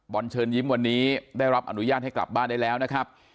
เชิญยิ้มวันนี้ได้รับอนุญาตให้กลับบ้านได้แล้วนะครับ